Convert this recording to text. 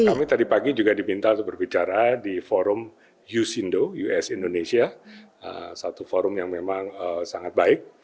kami tadi pagi juga diminta untuk berbicara di forum yusindo us indonesia satu forum yang memang sangat baik